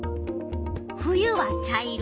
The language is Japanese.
冬は茶色。